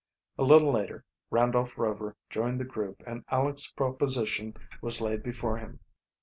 A little later Randolph Rover joined the group and Aleck's proposition was laid before him.